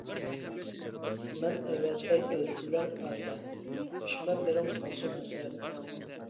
مەن ئەۋەتەي ئەلچىلەر ئەتە، دۈشمەنلىرىم قالسۇن ھەسرەتتە.